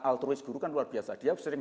altrois guru kan luar biasa dia sering